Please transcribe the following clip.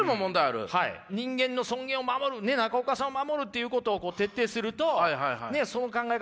人間の尊厳を守る中岡さんを守るっていうことを徹底するとその考え方